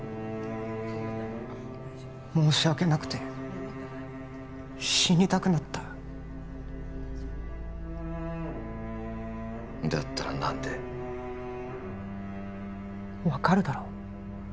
申し訳なくて死にたくなっただったら何で分かるだろ？